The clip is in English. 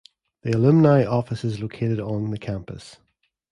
The alumni office is located on the campus.